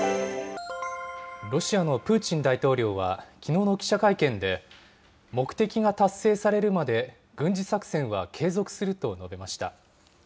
ロシアのプーチン大統領は、きのうの記者会見で、目的が達成されるまで軍事作戦は継続すると述べました。